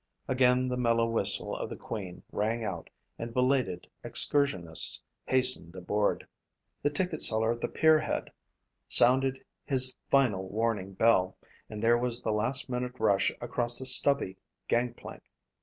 Again the mellow whistle of the Queen rang out and belated excursionists hastened aboard. The ticket seller at the pier head sounded his final warning bell, and there was the last minute rush across the stubby gang plank.